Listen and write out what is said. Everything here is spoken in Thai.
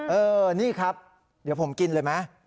เออนี่ครับเดี๋ยวผมกินเลยไหม